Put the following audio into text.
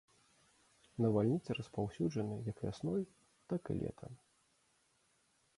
Навальніцы распаўсюджаны як вясной, так і летам.